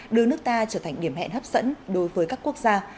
đưa nước ta trở thành điểm hẹn hấp dẫn đối với các quốc gia